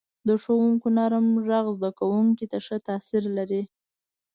• د ښوونکو نرم ږغ زده کوونکو ته ښه تاثیر لري.